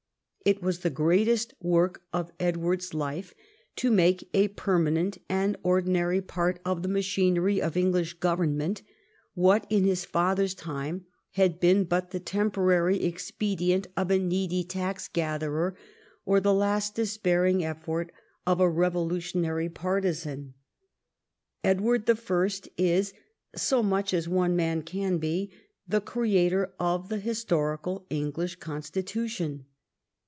It was the greatest work of Edward's life to make a permanent and ordinary part of the machinery of English government, what in his father's time had been but the temporary expedient of a needy taxgatherer or the last despairing effort of a revolutionary partisan. Edward I. is — so much as one man can be — the creator of the historical English constitution.